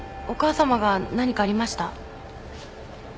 お母さまが何かありました？